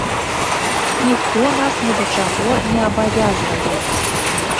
Ніхто нас ні да чаго не абавязвае.